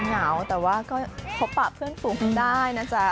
เหงาแต่ว่าก็พบปะเพื่อนฝูงได้นะจ๊ะ